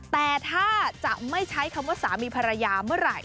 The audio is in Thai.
แต่ถ้าจะไม่ใช้คำว่าสามีภรรยาเมื่อไหร่